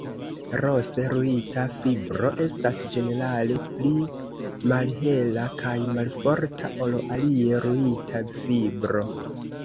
Rose ruita fibro estas ĝenerale pli malhela kaj malforta ol alie ruita fibro.